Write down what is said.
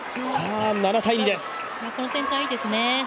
この展開はいいですね。